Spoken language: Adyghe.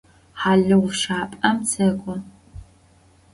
Хьалыгъущапӏэм сэкӏо.